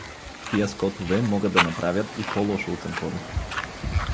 Тия скотове могат да направят и по-лошо у Цанкови.